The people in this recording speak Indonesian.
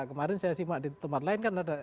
kemarin saya simak di tempat lain kan ada